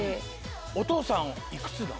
お父さんいくつなの？